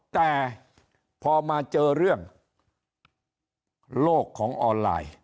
แต่พอมาเจอเรื่องโลกของออนไลน์